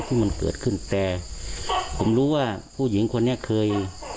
ที่มันเกิดขึ้นแต่ผมรู้ว่าผู้หญิงคนนี้เคย